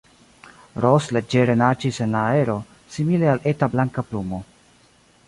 Ros leĝere naĝis en la aero, simile al eta blanka plumo.